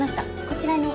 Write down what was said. こちらに。